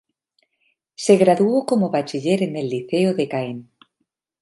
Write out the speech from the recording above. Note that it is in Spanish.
Se graduó como bachiller en el liceo de Caen.